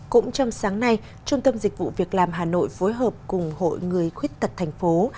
cũng trong sáng nay trung tâm dịch vụ việc làm hà nội phối hợp cùng hội người khuyết tật thành phố